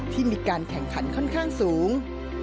ที่มีการแข่งขันค่อนข้างสูง